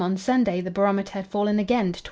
on Sunday the barometer had fallen again to 28.